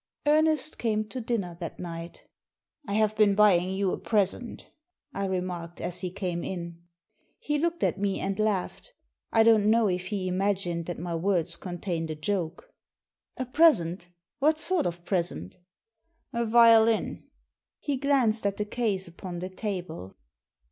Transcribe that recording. Ernest came to dinner that night. " I have been buying you a present," I remarked as he came in. He looked at me and laughed. I don't know if he imagined that my words contained a joke. "A present ? What sort of present ?" A violin." He glanced at the case upon the table.